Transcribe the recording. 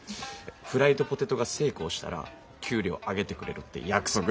フライドポテトが成功したら給料上げてくれるって約束でしたよね？